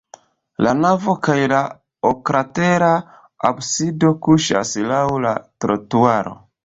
La navo kaj la oklatera absido kuŝas laŭ la trotuaro.